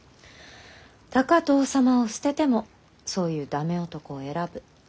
高藤様を捨ててもそういう駄目男を選ぶ。